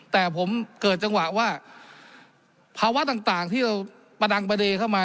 แต่ผมเกิดจังหวะว่าภาวะต่างที่เราประดังประเด็นเข้ามา